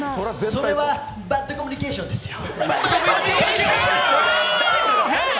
それはバットコミュニケーションですよ。